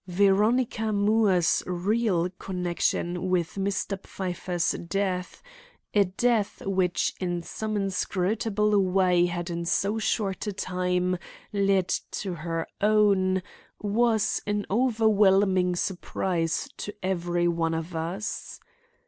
Veronica Moore's real connection with Mr. Pfeiffer's death,—a death which in some inscrutable way had in so short a time led to her own,—was an overwhelming surprise to every one of us.